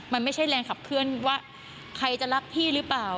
มันไม่ใช่แรงขับเคลื่อนว่าใครจะรักพี่หรือเปล่า